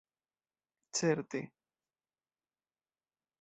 Certe.